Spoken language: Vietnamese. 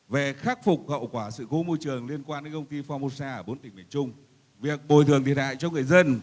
về khắc phục hậu quả sự cố môi trường liên quan đến công ty formosa ở bốn tỉnh bình trung